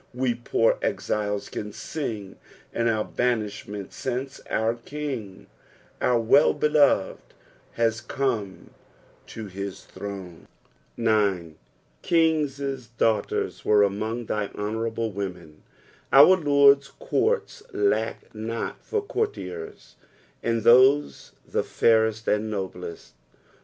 We poor exiles can sing in our banish ment since our King, our Wellbeloved, has come to his throne. 9. "King*' daughters aere amimg thy honovraiilt women." Our Ixird'a courts lack not for courtiers, and those the fairest and noblest.